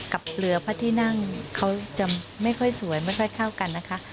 กับเรือพระที่นั่งเขาจะไม่ค่อยสวยไม่ค่อยเข้ากันนะคะ